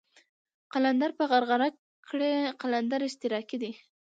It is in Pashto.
قلندر په غرغره کړئ قلندر اشتراکي دی.